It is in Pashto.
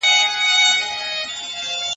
ولي ځيني هیوادونه سوله ایزې خبري نه مني؟